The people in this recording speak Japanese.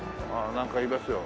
なんかいますよ。